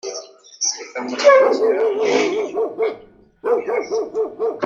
ikamutwikira imihana.